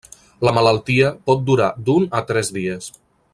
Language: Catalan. La malaltia pot durar d'un a tres dies.